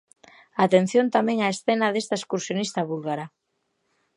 Atención tamén a escena desta excursionista búlgara.